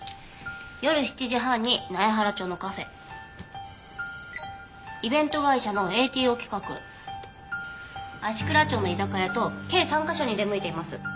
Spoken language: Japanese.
夜７時半に苗原町のカフェイベント会社のＡＴＯ企画芦蔵町の居酒屋と計３カ所に出向いています。